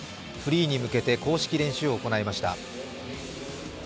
フリーに向けて公式練習を行いました。